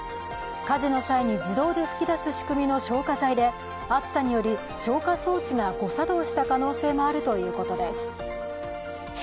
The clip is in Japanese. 火事の際に自動で噴き出す仕組みの消火剤で暑さにより、消火装置が誤作動した可能性もあるということです。